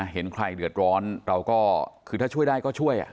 เห็นใครเดือดร้อนเราก็คือถ้าช่วยได้ก็ช่วย